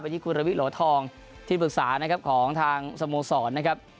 ที่คุณระวิโหลทองที่ปรึกษานะครับของทางสโมสรนะครับ